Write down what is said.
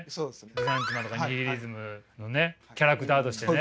ルサンチマンとかニヒリズムのねキャラクターとしてね。